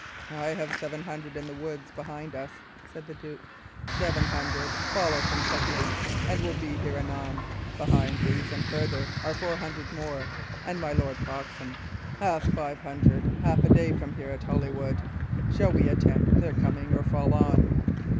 "I have seven hundred in the woods behind us," said the duke; "seven hundred follow from Kettley, and will be here anon; behind these, and further, are four hundred more; and my Lord Foxham hath five hundred half a day from here, at Holywood. Shall we attend their coming, or fall on?"